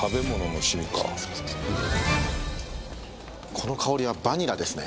この香りはバニラですね。